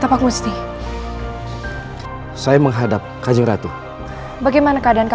aku harus memberitahu cendumanik